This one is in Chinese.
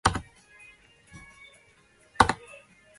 条裂叶报春为报春花科报春花属下的一个种。